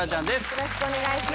よろしくお願いします。